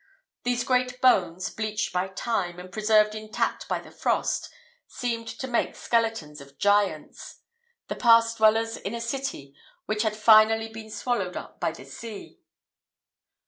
These great bones, bleached by time and preserved intact by the frost, seemed so many skeletons of giants the past dwellers in a city which had finally been swallowed up by the sea.